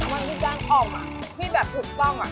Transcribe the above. อ่อมที่จ้างอ่อมที่แบบถูกต้อง